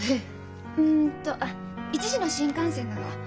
うんとあっ１時の新幹線なの。